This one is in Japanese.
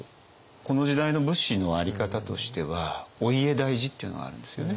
この時代の武士のあり方としてはお家大事っていうのがあるんですよね。